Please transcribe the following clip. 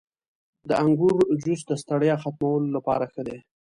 • د انګورو جوس د ستړیا ختمولو لپاره ښه دی.